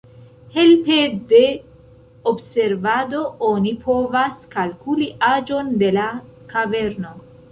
Helpe de observado oni povas kalkuli aĝon de la kaverno.